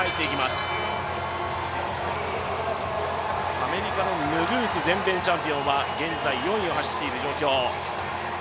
アメリカのヌグース、全米チャンピオンは現在４位を走っている状況。